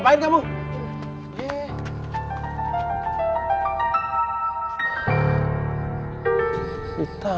sampai jumpa di video selanjutnya